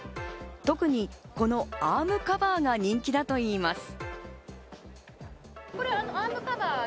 特にこのアームカバーが人気だといいます。